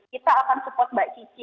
kita akan support mbak cici